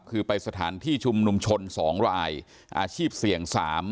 คือไปสถานที่ชุมนุมชน๒รายอาชีพเสี่ยง๓